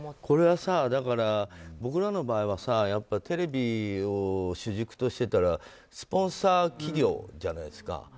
これは僕らの場合はテレビを主軸としてたらスポンサー企業じゃないですか。